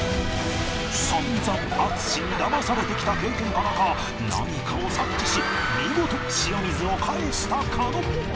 散々淳にだまされてきた経験からか何かを察知し見事塩水を返した狩野